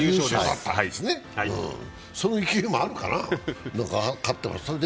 その勢いもあるかな、勝っています。